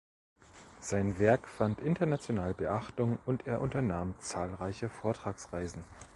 Sein Werk fand international Beachtung und er unternahm zahlreiche Vortragsreisen.